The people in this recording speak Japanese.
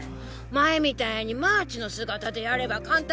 前みたいにマーチの姿でやれば簡単じゃろうよ。